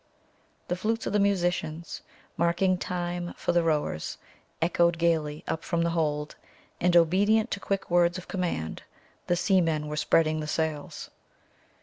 The flutes of the musicians, marking time for the rowers, echoed gaily up from the hold, and, obedient to quick words of command, the seamen were spreading the sails.